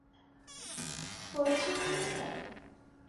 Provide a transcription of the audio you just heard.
পড়েছো তুমি এটা?